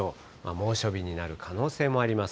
猛暑日になる可能性もあります。